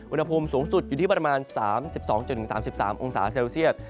อุณหภูมิสูงสุดอยู่ที่ประมาณ๓๒๓๓องศาเซลเซียต